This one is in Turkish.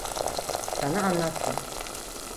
Sana anlattım.